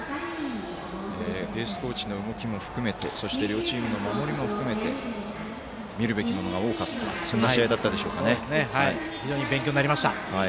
ベースコーチの動きも含めてそして、両チームの動きも含めて見るべきものが多かった非常に勉強になりました。